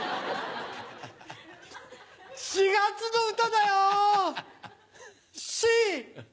４月の歌だよ！